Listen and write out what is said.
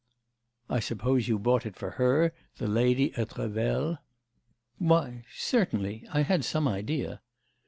'I suppose you bought it for her, the lady at Revel?' 'Why, certainly. I had some idea.